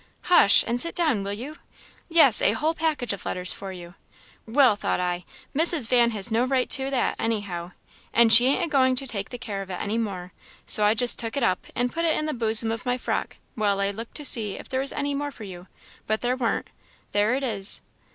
"Hush! and sit down, will you? yes, a whole package of letters for you. Well, thought I, Mrs. Van has no right to that, anyhow, and she ain't agoing to take the care of it any more; so I just took it up and put it in the bosom of my frock while I looked to see if there was any more for you, but there warn't. There it is!"